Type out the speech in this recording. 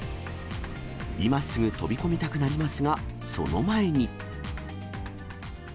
今すぐ飛び込みたくなりますが、その前に。